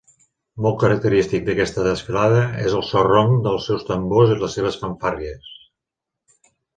Molt característic d'aquesta desfilada és el so ronc dels seus tambors i les seves fanfàrries.